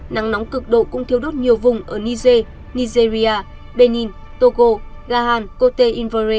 nắng nóng cực độ cũng thiêu đốt nhiều vùng ở niger nigeria benin togo gahan cô tê invore